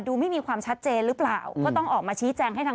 ดูไม่มีความชัดเจนรึเปล่า